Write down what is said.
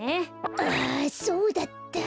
あそうだった。